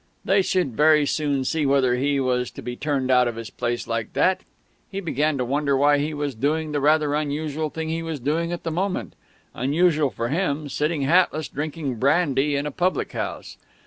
They should very soon see whether he was to be turned out of his place like that! He began to wonder why he was doing the rather unusual thing he was doing at that moment, unusual for him sitting hatless, drinking brandy, in a public house.